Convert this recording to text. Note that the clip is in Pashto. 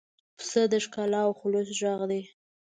پسه د ښکلا او خلوص غږ دی.